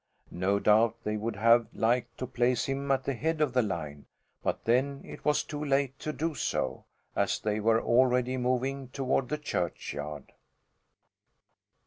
No doubt they would have liked to place him at the head of the line, but then it was too late to do so, as they were already moving toward the churchyard.